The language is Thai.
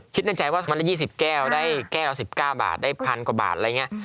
คิดในใจว่ามันได้๒๐แก้วได้แก้ว๑๙บาทได้๑๐๐๐กว่าบาท